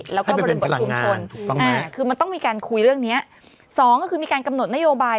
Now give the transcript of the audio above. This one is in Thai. แล้วก็บริบทชุมชนคือมันต้องมีการคุยเรื่องเนี้ยสองก็คือมีการกำหนดนโยบาย